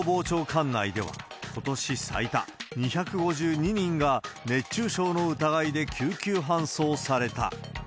管内では、ことし最多、２５２人が熱中症の疑いで救急搬送された。